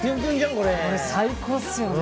これ最高っすよね。